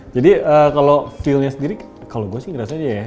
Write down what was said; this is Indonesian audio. jadi kalau feelnya sendiri kalau gue sih ngerasa aja ya